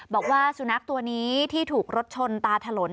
บอกว่าสุนัขตัวนี้ที่ถูกรถชนตาถลน